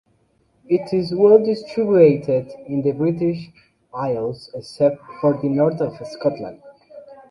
It is well distributed in the British Isles except for the north of Scotland.